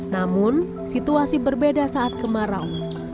namun situasi berbeda saat kemarau